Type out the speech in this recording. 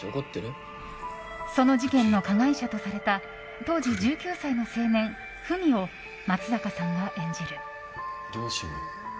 その事件の加害者とされた当時１９歳の青年文を松坂さんが演じる。